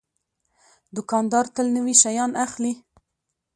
دوکاندار تل نوي شیان اخلي.